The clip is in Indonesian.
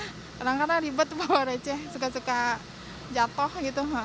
kadang kadang ribet bawa receh suka suka jatuh gitu